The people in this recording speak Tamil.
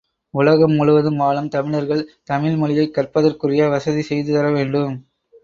உலகம் முழுதும் வாழும் தமிழர்கள், தமிழ் மொழியைக் கற்பதற்குரிய வசதி செய்து தரவேண்டும்.